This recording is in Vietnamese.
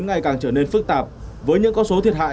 ngày càng trở nên phức tạp với những con số thiệt hại